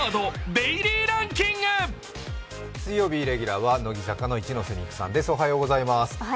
水曜日レギュラーは乃木坂の一ノ瀬美空さんです。